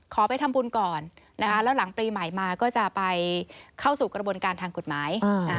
ไปทำบุญก่อนนะคะแล้วหลังปีใหม่มาก็จะไปเข้าสู่กระบวนการทางกฎหมาย